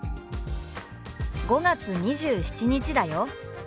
「５月２７日だよ」。